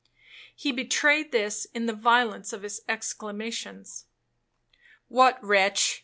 He betrayed this in the violence of his exclamations. 'What, wretch!'